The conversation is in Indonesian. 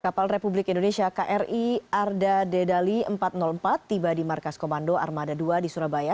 kapal republik indonesia kri arda dedali empat ratus empat tiba di markas komando armada dua di surabaya